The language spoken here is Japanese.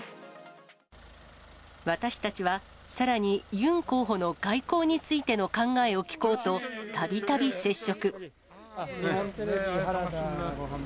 私たちは、さらにユン候補の外交についての考えを聞こうと、たびたび接触。